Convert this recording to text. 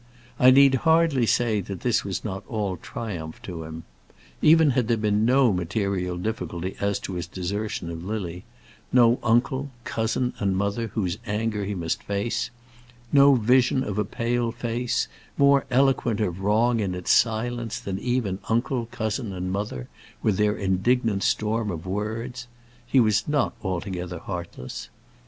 I need hardly say that this was not all triumph to him. Even had there been no material difficulty as to his desertion of Lily, no uncle, cousin, and mother whose anger he must face, no vision of a pale face, more eloquent of wrong in its silence than even uncle, cousin, and mother, with their indignant storm of words, he was not altogether heartless.